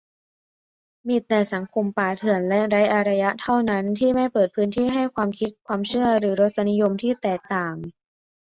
มีแต่สังคมป่าเถื่อนและไร้อารยะเท่านั้น ที่ไม่เปิดพื้นที่ให้ความคิด ความเชื่อ หรือรสนิยมที่แตกต่าง